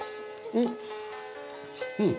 うん。